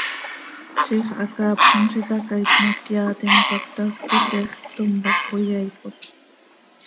Ziix hacaapxom z itacaiit ma, cyaa timoca cötafp, itexl, tom pac cöyaaipot.